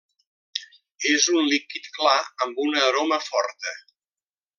És un líquid clar amb una aroma forta.